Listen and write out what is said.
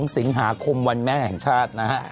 ๒สิงหาคมวันแม่แห่งชาตินะฮะ